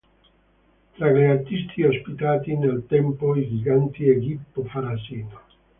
Tra gli artisti ospitati nel tempo I Giganti e Gipo Farassino.